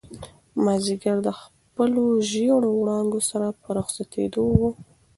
مازیګر د خپلو ژېړو وړانګو سره په رخصتېدو و.